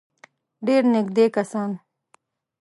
ډېر نېږدې کسان.